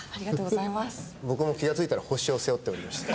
僕も気が付いたら星を背負っておりました。